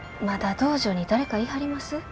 まだ道場に誰かいはります？